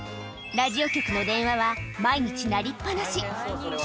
ラジオ局の電話は毎日鳴りっ放し。